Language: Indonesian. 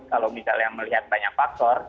kalau misalnya melihat banyak faktor